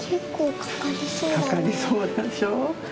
かかりそうでしょ。